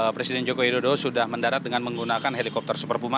presiden joko widodo sudah mendarat dengan menggunakan helikopter super puma